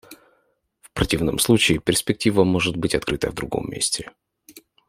В противном случае перспектива может быть открыта в другом месте.